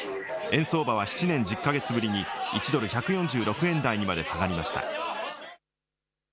円相場は７年１０か月ぶりに、１ドル１４６円台にまで下がりました。